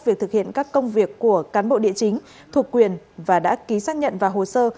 việc thực hiện các công việc của cán bộ địa chính thuộc quyền và đã ký xác nhận và hồ sơ